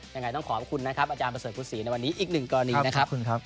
ยังไงต้องขอบคุณนะครับอาจารย์ประเสริฐพุทธศรีในวันนี้อีกหนึ่งกรณีนะครับ